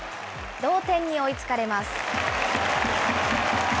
同点に追いつかれます。